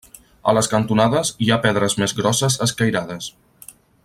A les cantonades hi ha pedres més grosses escairades.